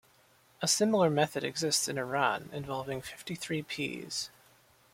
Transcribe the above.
A similar method exists in Iran, involving fifty-three peas.